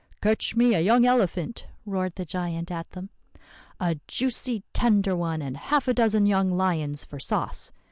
"'Catch me a young elephant,' roared the giant at them. 'A juicy, tender one, and half a dozen young lions for sauce.